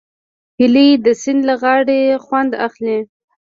هیلۍ د سیند له غاړې خوند اخلي